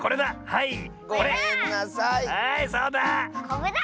はいそうだ！